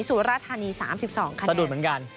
สุรธานี๓๒คันนี้สะดุดเหมือนกัน